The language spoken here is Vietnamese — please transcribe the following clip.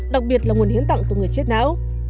đặc biệt là nguồn hiến tặng từ người chết não